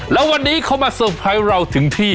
แล้ววันนี้เขามาเซอร์ไพรส์เราถึงที่